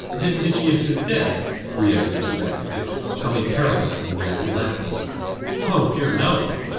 "That Michiev is dead?" re echoed Sobakevitch, coming perilously near to laughing. "Oh dear no!